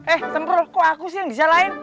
eh sempro kok aku sih yang dijalain